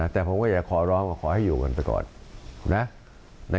แต่ผมก็อยากขอร้องว่าขอให้อยู่กันไปก่อนนะ